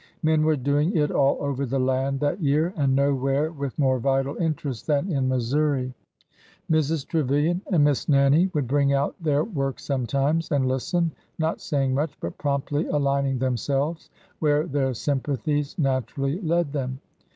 Men were doing it all over the land that year, and nowhere with more vital interest than in Missouri. Mrs. Trevilian and Miss Nannie would bring out their work sometimes, and listen, not saying much, but promptly alining themselves where their sympathies naturally led them.